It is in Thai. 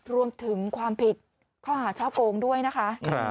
รวมถึงความผิดข้อหาช่อโกงด้วยนะคะ